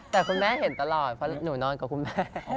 แต่คุณแม่เห็นตลอดเพราะหนูนอนกับคุณแม่